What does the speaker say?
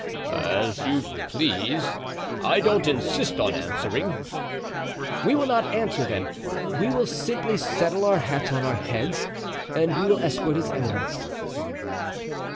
"As you please; I don't insist on answering." "We will not answer, then; we will simply settle our hats on our heads and we will escort his eminence."